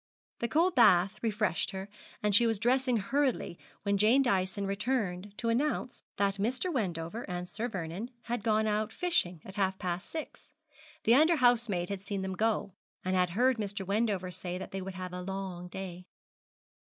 The cold bath refreshed her, and she was dressing hurriedly when Jane Dyson returned to announce that Mr. Wendover and Sir Vernon had gone out fishing at half past six the under housemaid had seen them go, and had heard Mr. Wendover say that they would have a long day.